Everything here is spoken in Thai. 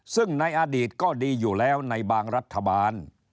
ซึ่งในอดีตก็ดีอยู่แล้วในบางรัฐบาล